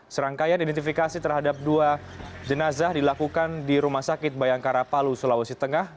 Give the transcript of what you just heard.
serangkaian identifikasi terhadap dua jenazah dilakukan di rumah sakit bayangkara palu sulawesi tengah